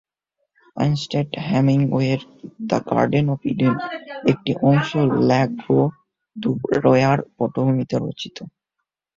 Ernst হেমিংওয়ের "the garden of Eden" একটি অংশ ল্য গ্রো-দ্যু-রোয়ার পটভূমিতে রচিত।